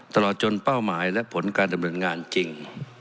ตลอดจนเป้าหมายและผลการดำเนินงานจริง